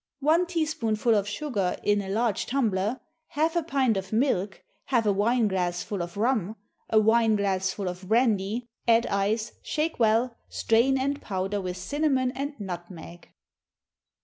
One teaspoonful of sugar in a large tumbler, half a pint of milk, half a wine glassful of rum, a wine glassful of brandy; add ice, shake well, strain, and powder with cinnamon and nutmeg.